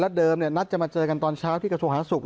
เมื่อเดิมเนี่ยนัดจะมาเจอกันตอนเช้าที่กระทรวงหาศุกร์